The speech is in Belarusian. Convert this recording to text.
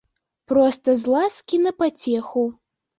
Проста з ласкі на пацеху.